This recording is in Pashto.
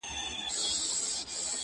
دوې کښتۍ مي وې نجات ته درلېږلي!!